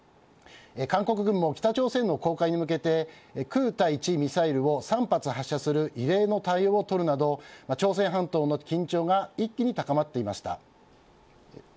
韓国軍も北朝鮮の公海に向けて空対地ミサイルを３発を発射する異例の対応を取るなど朝鮮半島の緊張が一気に高まっていました。